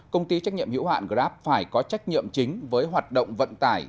công ty trách nhiệm hữu hạn grab phải có trách nhiệm chính với hoạt động vận tải